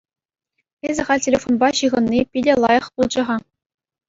Эсӗ халь телефонпа ҫыхӑнни питӗ лайӑх пулчӗ-ха.